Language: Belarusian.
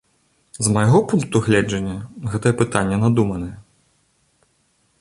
З майго пункту гледжання, гэтае пытанне надуманае.